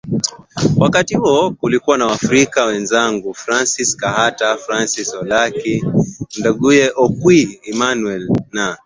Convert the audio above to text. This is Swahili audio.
wakati huo kulikuwa na Waafrika wenzangu Francis Kahata Francis Olaki nduguye Okwi Emmanuel na